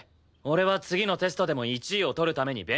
俺は次のテストでも１位を取るために勉強したい。